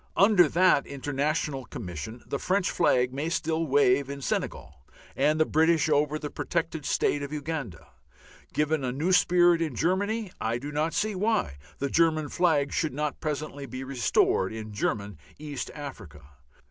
Under that international Commission the French flag may still wave in Senegal and the British over the protected State of Uganda. Given a new spirit in Germany I do not see why the German flag should not presently be restored in German East Africa.